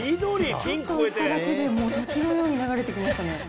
ちょっと押しただけで、もう滝のように流れてきましたね。